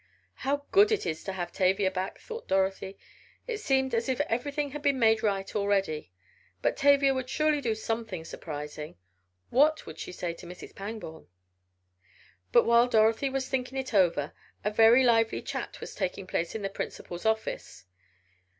"How good it was to have Tavia back," thought Dorothy. It seemed as if everything had been made right already. But Tavia would surely do something surprising. What would she say to Mrs. Pangborn? But while Dorothy was thinking it over, a very lively little chat was taking place in the principal's office.